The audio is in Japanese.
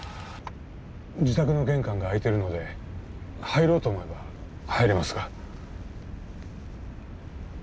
自宅の玄関が開いてるので入ろうと思えば入れますが。